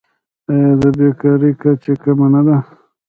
آیا د بیکارۍ کچه کمه نه ده؟